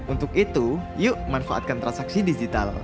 untuk itu yuk manfaatkan transaksi digital